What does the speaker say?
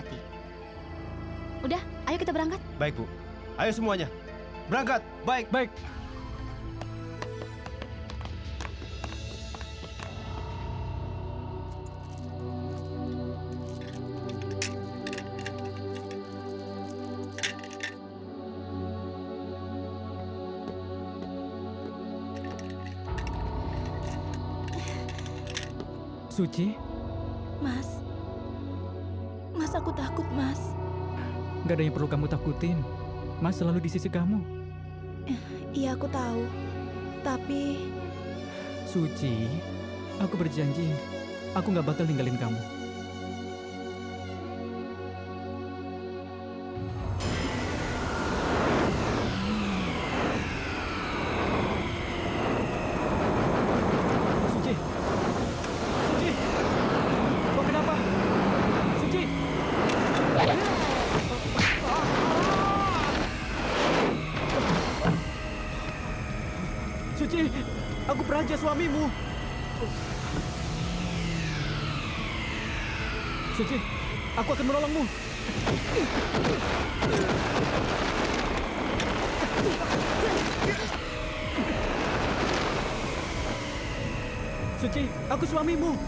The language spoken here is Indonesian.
oh ternyata ini adalah sarangnya